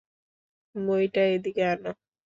মইটা এদিকে আনো।